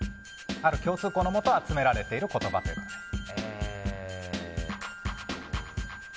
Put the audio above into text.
ある共通項のもと集められた言葉ということです。